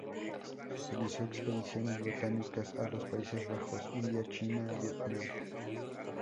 Realizó expediciones botánicas a los Países Bajos, India, China, Vietnam.